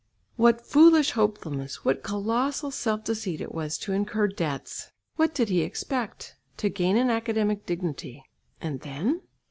What foolish hopefulness, what colossal self deceit it was to incur debts! What did he expect? To gain an academic dignity. And then?